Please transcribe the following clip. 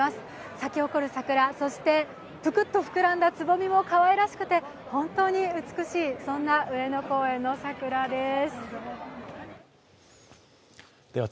咲き誇る桜、そして、ぷくっと膨らんだつぼみもかわいらしくて、本当に美しい、そんな上野公園の桜です。